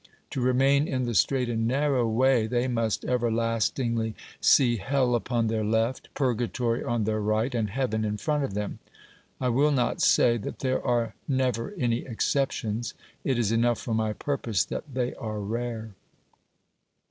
To remain in the straight and narrow way they must ever lastingly see hell upon their left, purgatory on their right, and heaven in front of them. I will not say that there are never any exceptions; it is enough for my purpose that they are rare.